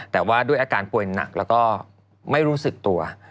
แต่ว่าด้วยอาการป่วยหนักแล้วก็ไม่รู้สึกตัว